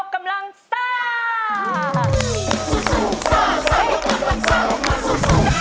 กำลังซ่า